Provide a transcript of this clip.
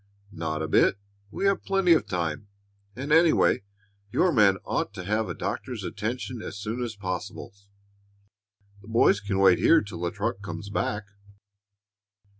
"Not a bit! We have plenty of time; and anyway, your man ought to have a doctor's attention as soon as possible. The boys can wait here till the truck comes back."